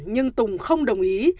nhưng tùng không đồng ý